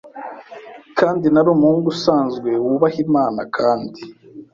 Kandi nari umuhungu usanzwe, wubaha Imana, kandi